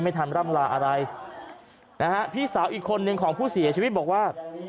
ทำร่ำลาอะไรนะฮะพี่สาวอีกคนนึงของผู้เสียชีวิตบอกว่า